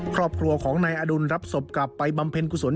ครอบครัวของนายอดุลรับศพกลับไปบำเพ็ญกุศล